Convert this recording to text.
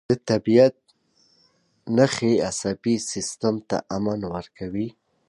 د طبیعت نښې عصبي سیستم ته امن ورکوي.